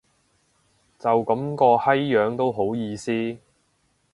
就噉個閪樣都好意思